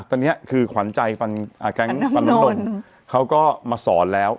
ตอนเนี้ยคือขวัญใจฟันฟันน้ำโดนเขาก็มาสอนแล้ว